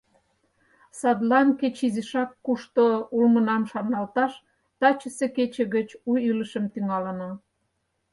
Садлан кеч изишак кушто улмынам шарналташ тачысе кече гыч у илышым тӱҥалына.